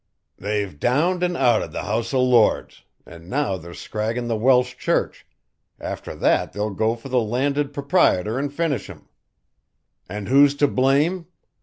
"They've downed and outed the House o' Lords, an' now they're scraggin' the Welsh Church, after that they'll go for the Landed Prepriotor and finish him. And who's to blame?